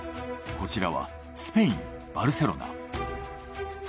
こちらはスペイン・バルセロナ。